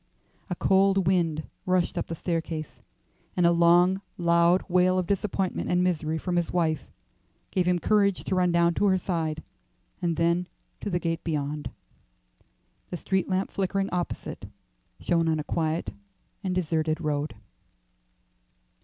A cold wind rushed up the staircase, and a long loud wail of disappointment and misery from his wife gave him courage to run down to her side, and then to the gate beyond. The street lamp flickering opposite shone on a quiet and deserted road.